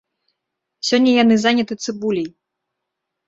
Сёння яны заняты цыбуляй.